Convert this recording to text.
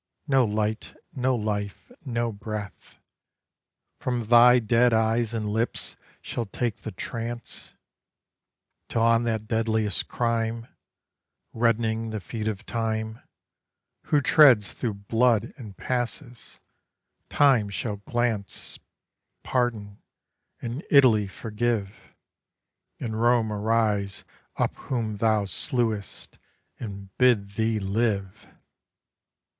No light, no life, no breath, From thy dead eyes and lips shall take the trance, Till on that deadliest crime Reddening the feet of time Who treads through blood and passes, time shall glance Pardon, and Italy forgive, And Rome arise up whom thou slewest, and bid thee live.